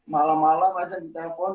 malam malam bisa ditelepon